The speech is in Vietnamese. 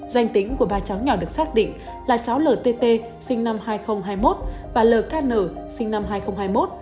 danh tính của ba cháu nhỏ được xác định là cháu ltt sinh năm hai nghìn hai mươi một và lk sinh năm hai nghìn hai mươi một